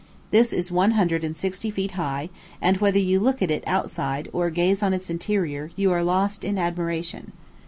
This is one hundred and sixty one feet high; and, whether you look at it outside, or gaze on its interior, you are lost in admiration.